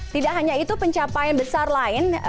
tidak hanya itu pencapaian besar lain